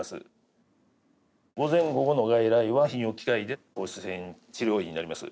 午前午後の外来は泌尿器科医で放射線治療医になります。